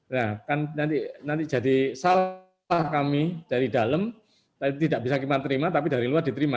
nah kan nanti jadi salah kami dari dalam tapi tidak bisa kita terima tapi dari luar diterima